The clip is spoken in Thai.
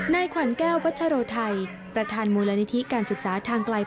ขวัญแก้ววัชโรไทยประธานมูลนิธิการศึกษาทางไกล